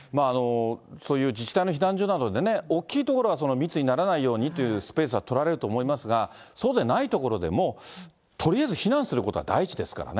そういう自治体の避難所などでね、大きい所は密にならないようにというスペースは取られると思いますが、そうでない所でも、とりあえず避難することは大事ですからね。